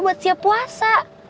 buat siap puasa